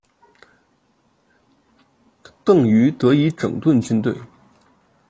邓禹得以整顿军队。